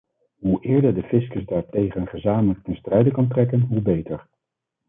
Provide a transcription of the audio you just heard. Hoe eerder de fiscus daartegen gezamenlijk ten strijde kan trekken hoe beter.